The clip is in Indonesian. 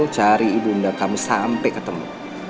cari ibu mda kamu sampai ketemu